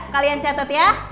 kalian catet ya